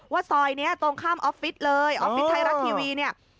ซอยนี้ตรงข้ามออฟฟิศเลยออฟฟิศไทยรัฐทีวีเนี่ย